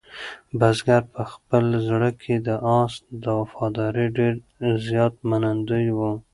بزګر په خپل زړه کې د آس د وفادارۍ ډېر زیات منندوی و.